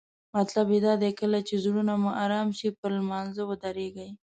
مطلب یې دا دی کله چې زړونه مو آرام شي پر لمانځه ودریږئ.